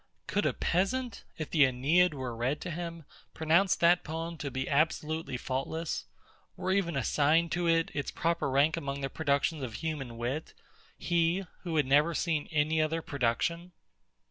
Could a peasant, if the Aeneid were read to him, pronounce that poem to be absolutely faultless, or even assign to it its proper rank among the productions of human wit, he, who had never seen any other production?